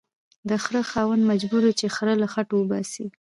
د خره خاوند مجبور و چې خر له خټو وباسي